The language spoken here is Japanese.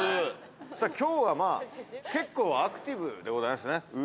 今日はまあ結構アクティブでございますね。